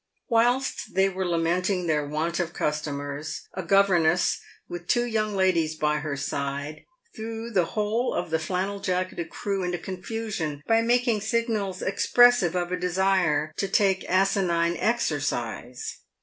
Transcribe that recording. Whilst they were lamenting their want of customers, a governess, with two young ladies by her side, threw the whole of the flannel jacketed crew into confusion by making signals expressive of a desire to take asinine exercise.